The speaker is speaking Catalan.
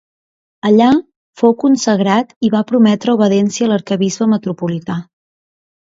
Allà, fou consagrat i va prometre obediència a l'arquebisbe metropolità.